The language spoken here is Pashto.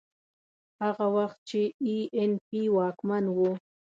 هغه وخت چې اي این پي واکمن و.